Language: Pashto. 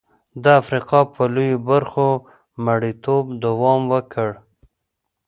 د افریقا په لویه برخه مریتوب دوام وکړ.